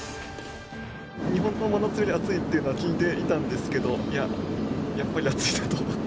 日本の真夏より暑いっていうのは聞いていたんですけど、やっぱり暑いなと。